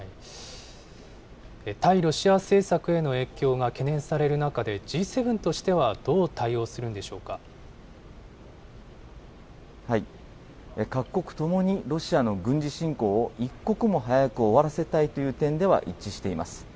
対ロシア政策への影響が懸念される中で、Ｇ７としてはどう対各国ともに、ロシアの軍事侵攻を一刻も早く終わらせたいという点では一致しています。